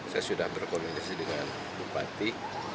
saya sudah berkoordinasi dengan bupati